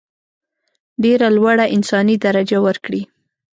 ډېره لوړه انساني درجه ورکړي.